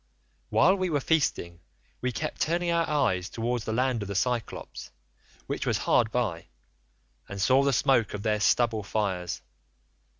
While we were feasting we kept turning our eyes towards the land of the Cyclopes, which was hard by, and saw the smoke of their stubble fires.